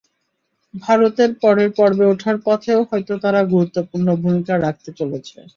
ভারতের পরের পর্বে ওঠার পথেও হয়তো তারা গুরুত্বপূর্ণ ভূমিকা রাখতে চলেছে।